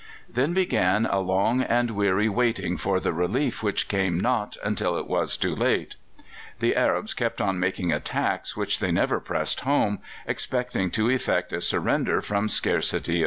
Then began a long and weary waiting for the relief which came not until it was too late. The Arabs kept on making attacks, which they never pressed home, expecting to effect a surrender from scarcity of food.